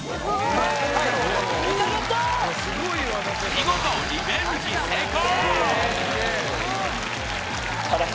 見事リベンジ成功！